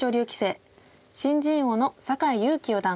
新人王の酒井佑規四段。